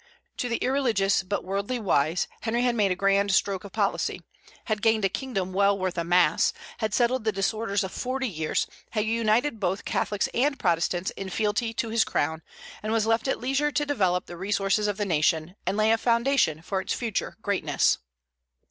To the irreligious, but worldly wise, Henry had made a grand stroke of policy; had gained a kingdom well worth a Mass, had settled the disorders of forty years, had united both Catholics and Protestants in fealty to his crown, and was left at leisure to develop the resources of the nation, and lay a foundation for its future greatness.